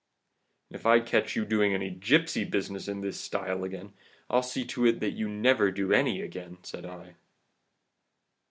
"'And if I catch you doing any gipsy business in this style again, I'll see to it that you never do any again!' said I.